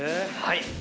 はい。